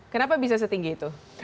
kenapa bisa setinggi itu